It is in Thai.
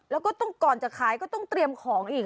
แล้วก็ต้องก่อนจะขายก็ต้องเตรียมของอีก